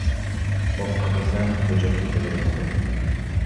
Qo‘rqqanimdan g‘ujanak bo‘lib oldim.